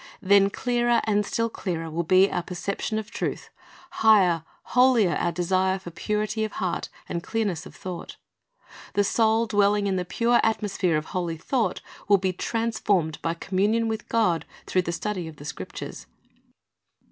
Then clearer and still clearer will be our per ception of truth, higher, holier, our desire for purity of heart and clearness of thought. The soul dwelling in the pure atmosphere of holy thought will be transformed by communion with God through the study of the Scriptures.